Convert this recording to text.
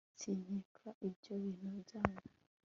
sinkenga ibyo bintu byanyu